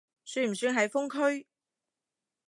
算唔算係封區？